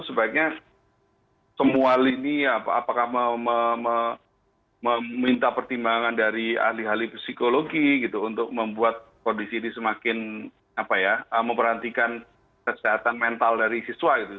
sebaiknya semua lini apakah meminta pertimbangan dari ahli ahli psikologi gitu untuk membuat kondisi ini semakin memperhatikan kesehatan mental dari siswa gitu